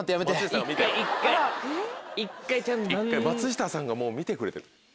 松下さんがもう見てくれてる。